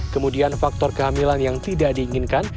kemudian faktor kehamilan yang tidak diinginkan